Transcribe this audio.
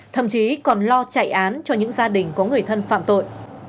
thậm chí còn lo chạy án cho những gia đình có người thân phạm tội